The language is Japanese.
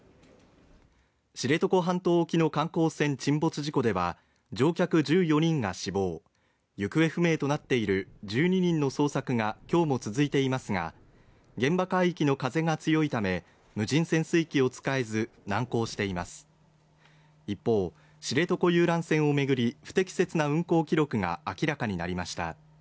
知床半島沖の観光船沈没事故では乗客１４人が死亡行方不明となっている１２人の捜索がきょうも続いていますが現場海域の風が強いため無人潜水機を使えず難航しています一方、知床遊覧船を巡り不適切な運航記録が明らかになりました